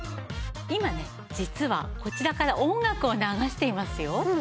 今ね実はこちらから音楽を流していますよ。